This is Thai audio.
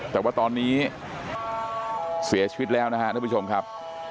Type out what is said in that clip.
แต่ว่าตอนนี้เสียชีวิตแล้วนะครับท่านผู้ชมครับ